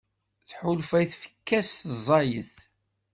Tḥulfa i tfekka-s ẓẓayet.